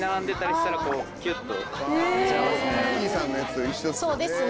きいさんのやつと一緒ですね。